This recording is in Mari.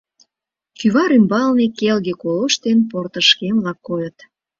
Кӱвар ӱмбалне келге калош ден портышкем-влак койыт.